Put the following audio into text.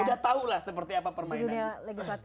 udah tau lah seperti apa permainannya